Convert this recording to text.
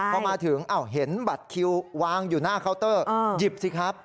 พอมาถึงเห็นบัตรคิววางอยู่หน้าเคาน์เตอร์หยิบสิครับ